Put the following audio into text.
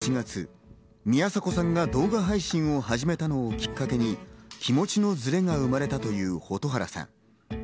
去年１月、宮迫さんが動画配信を始めたのをきっかけに、気持ちのズレが生まれたという蛍原さん。